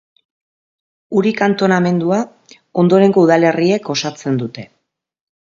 Uri kantonamendua ondorengo udalerriek osatzen dute.